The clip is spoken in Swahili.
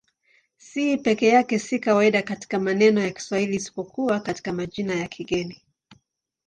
C peke yake si kawaida katika maneno ya Kiswahili isipokuwa katika majina ya kigeni.